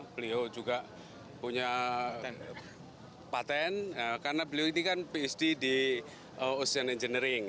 beliau juga punya patent karena beliau ini kan psd di ocean engineering